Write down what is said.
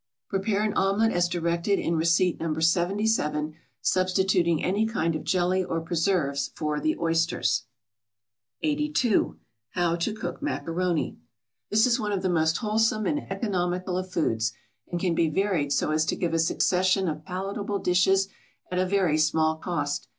= Prepare an omelette as directed in receipt No. 77, substituting any kind of jelly or preserves for the oysters. 82. =How to Cook Macaroni.= This is one of the most wholesome and economical of foods, and can be varied so as to give a succession of palatable dishes at a very small cost.